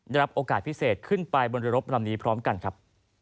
รับโอกาสพิเศษขึ้นไปบนเรือรบลำนี้พร้อมกันครับ